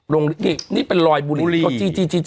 ตอนนี้เป็นรอยโจริก